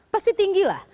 pasti tinggi lah